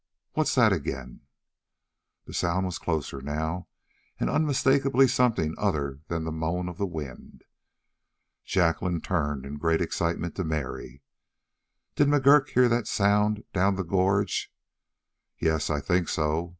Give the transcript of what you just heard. What's that again?" The sound was closer now and unmistakably something other than the moan of the wind. Jacqueline turned in great excitement to Mary: "Did McGurk hear that sound down the gorge?" "Yes. I think so.